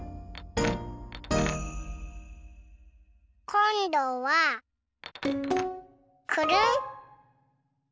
こんどはくるん。